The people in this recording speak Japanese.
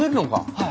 はい。